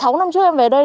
sáu năm trước em về đây